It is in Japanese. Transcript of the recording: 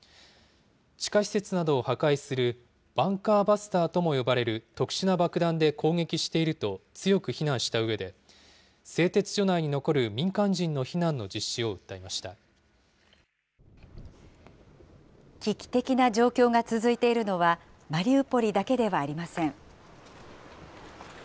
地下施設などを破壊するバンカーバスターとも呼ばれる特殊な爆弾で攻撃していると、強く非難したうえで、製鉄所内に残る民間人の危機的な状況が続いているのは、マリウポリだけではありません。